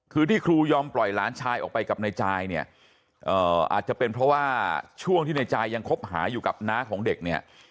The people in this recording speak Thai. คือที่ครูยอมปล่อยหลานชายออกไปกับในจายเนี่ยอาจจะเป็นเพราะว่าช่วงที่ในจายยังคบหาอยู่กับน้าของเด็กเนี่ย